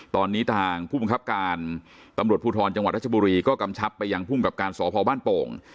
ตอนนี้ทางผู้บังคับการตำรวจภูทรจังหวัดรัชบุรีก็กำชับไปยังภูมิกับการสพบ้านโป่ง